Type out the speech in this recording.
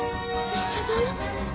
偽物？